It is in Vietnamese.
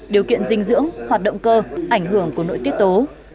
điều kiện dinh dưỡng hoạt động cơ ảnh hưởng của nội tiết tố